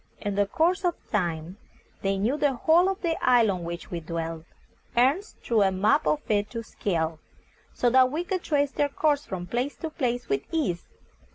In the course of time they knew the whole of the isle on which we dwelt. Ernest drew a map of it to scale, so that we could trace their course from place to place with ease.